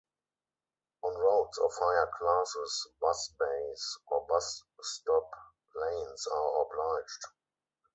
On roads of higher classes, bus bays or bus stop lanes are obliged.